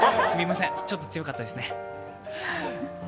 すみません、ちょっと強かったですね。